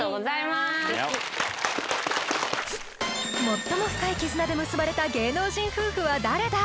最も深い絆で結ばれた芸能人夫婦は誰だ？